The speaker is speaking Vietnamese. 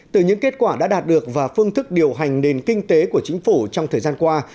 từ những kết quả đã đạt được và phương thức điều hành nền kinh tế của chính phủ trong thời gian qua